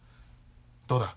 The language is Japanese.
どうだ？